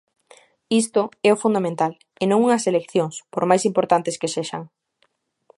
Isto é o fundamental, e non unhas eleccións, por máis importantes que sexan.